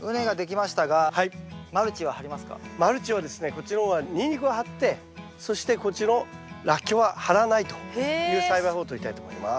こっちの方はニンニクは張ってそしてこっちのラッキョウは張らないという栽培法をとりたいと思います。